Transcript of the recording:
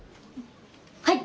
はい！